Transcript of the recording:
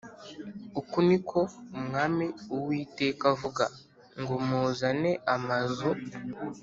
Uku ni ko Umwami Uwiteka avuga ngo muzane amazu